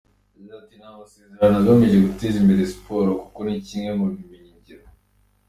Yagize ati ”Ni amasezerano agamije guteza imbere siporo kuko ni kimwe mu bumenyingiro.